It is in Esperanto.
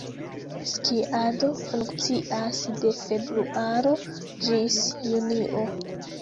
Skiado funkcias de februaro ĝis junio.